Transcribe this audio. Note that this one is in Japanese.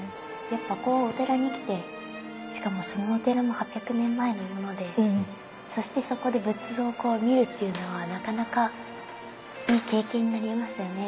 やっぱこうお寺に来てしかもそのお寺も８００年前のものでそしてそこで仏像を見るっていうのはなかなかいい経験になりますよね。